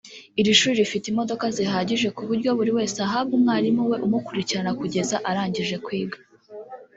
Iri shuri rifite imodoka zihagije ku buryo buri wese ahabwa umwarimu we umukurikirana kugeza arangije kwiga